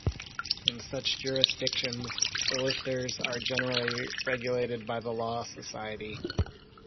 In such jurisdictions, solicitors are generally regulated by the law society.